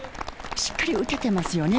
しっかり打てていますよね。